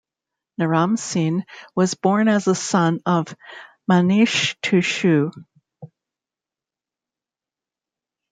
Naram-Sin was born as a son of Manishtushu.